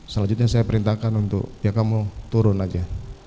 selanjutnya saya perintahkan untuk ya kamu turun aja